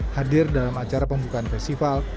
hadir dalam acara pembukaan festival